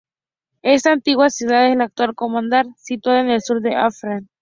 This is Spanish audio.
Esta antigua ciudad es la actual Kandahar, situada en el sur de Afganistán.